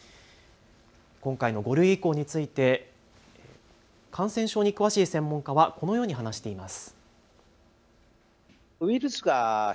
今回の５類移行について感染症に詳しい専門家はこのように話しています。